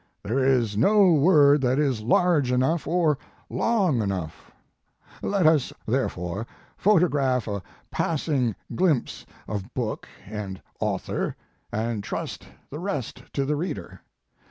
There is no word that is large enough or long enough. Let us, therefore, photo graph a passing ^glimpse of book and $6 t Mark Twain author, and trust the rest to the reader.